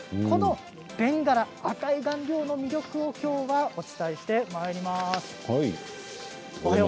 このベンガラ、赤い顔料の魅力をきょうはお伝えしてまいります。